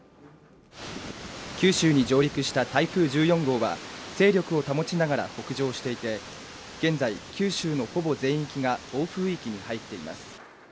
九州に上陸した台風１４号は勢力を保ちながら北上していて現在、九州のほぼ全域が暴風域に入っています。